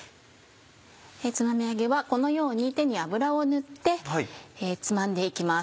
つまみ揚げはこのように手に油を塗ってつまんで行きます。